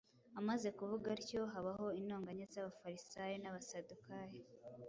Amaze kuvuga atyo, habaho intonganya z’Abafarisayo n’Abasadukayo;